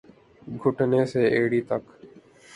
گھٹنے سے ایڑی تک